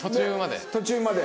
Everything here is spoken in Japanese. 途中まで。